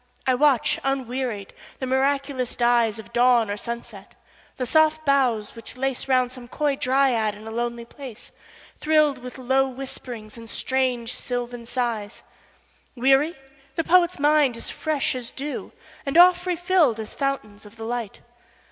I watch, unwearied, the miraculous dyesOf dawn or sunset; the soft boughs which laceRound some coy dryad in a lonely place, Thrilled with low whispering and strange sylvan sighs:Weary? The poet's mind is fresh as dew, And oft refilled as fountains of the light.